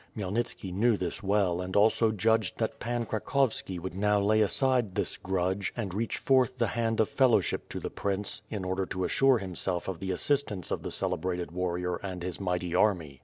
Khmyel nitski knew this well and also judged that Pan Cracovski would now lay aside this grudge, and reach forth the hand of fellowship to the prince, in order to assure himself of the assistance of the celebrated warrior and his mighty army.